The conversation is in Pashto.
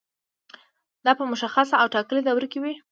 دا په مشخصه او ټاکلې دوره کې وي.